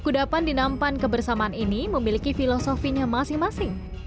kudapan di nampan kebersamaan ini memiliki filosofinya masing masing